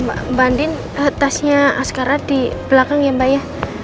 mbak andin tasnya askara di belakang ya mbak ya